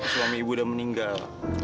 suami ibu sudah meninggal